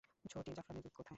ছোটি, জাফরানের দুধ কোথায়?